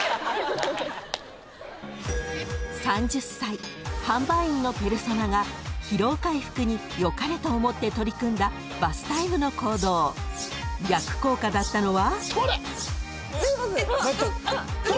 ［３０歳販売員のペルソナが疲労回復に良かれと思って取り組んだバスタイムの行動逆効果だったのは？］